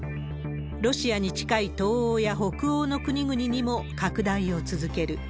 ロシアに近い東欧や北欧の国々にも拡大を続ける。